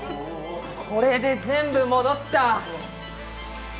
これで全部戻った。